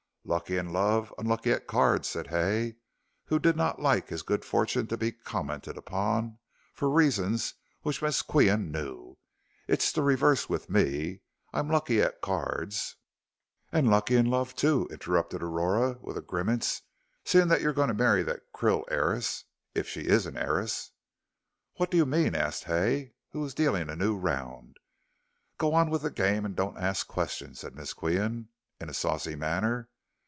"Lucky in love, unlucky at cards," said Hay, who did not like his good fortune to be commented upon, for reasons which Miss Qian knew. "It's the reverse with me I'm lucky at cards " "And lucky in love, too," interrupted Aurora, with a grimace, "seeing you're going to marry that Krill heiress if she is an heiress." "What do you mean?" asked Hay, who was dealing a new round. "Go on with the game and don't ask questions," said Miss Qian, in a saucy manner.